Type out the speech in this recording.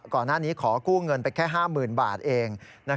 ก่อนหน้านี้ขอกู้เงินไปแค่๕๐๐๐บาทเอง